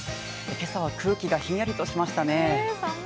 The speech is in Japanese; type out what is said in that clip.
今朝は空気がひんやりとしましたね。